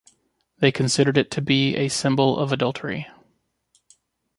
They considered it to be a symbol of adultery.